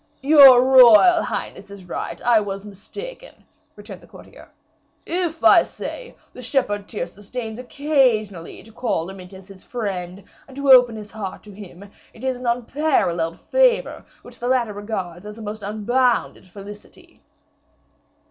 "Your royal highness is right; I was mistaken," returned the courtier; "if, I say, the shepherd Tyrcis deigns occasionally to call Amyntas his friend, and to open his heart to him, it is an unparalleled favor, which the latter regards as the most unbounded felicity."